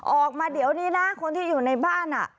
ออกมาเดี๋ยวนี้นะคนที่อยู่ในบ้าน